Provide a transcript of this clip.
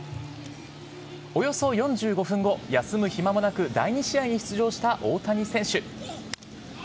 およそ４５分後休む暇もなく第２試合に出場した大谷選手。